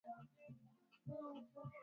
hii hayana ushahidi ikaba